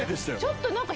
ちょっと何か